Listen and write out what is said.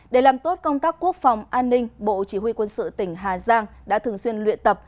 để làm tốt công tác quốc phòng an ninh bộ chỉ huy quân sự tỉnh hà giang đã thường xuyên luyện tập